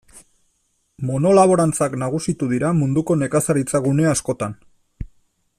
Monolaborantzak nagusitu dira munduko nekazaritza gune askotan.